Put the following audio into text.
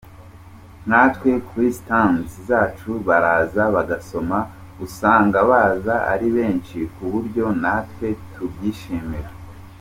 Nkatwe kuri stands zacu baraza bagasoma, usanga baza ari benshi ku buryo natwe tubyishimira.